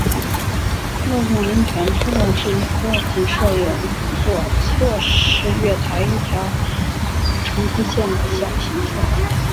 濑见温泉车站是一个仅设有一座侧式月台一条乘车线的小型车站。